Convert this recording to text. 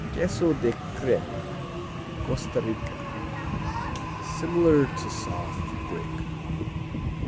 Queso de Crema Costa Rica Similar to soft Brick.